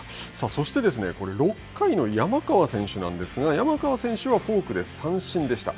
そして、６回の山川選手なんですが、山川選手はフォークで三振でした。